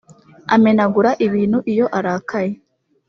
amenagura ibintu iyo arakaye.